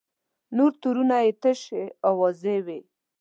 نور تورونه یې تشې اوازې وې.